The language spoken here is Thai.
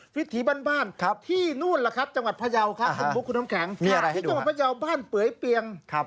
วิถีบ้านที่นู่นหรือครับจังหวัดพระเยาค่ะคุณบุคคุณอ๋มแข็งค่ะที่จังหวัดพระเยาค่ะบ้านเปื่อยเปียง